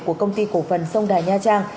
của công ty cổ phần sông đà nha trang